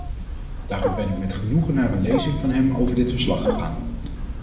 Daarom ben ik met genoegen naar een lezing van hem over dit verslag gegaan.